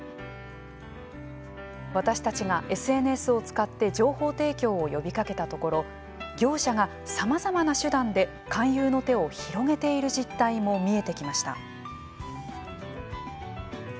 私たちがＳＮＳを使って情報提供を呼びかけたところ業者が、さまざまな手段で勧誘の手を広げている実態も見えてきました。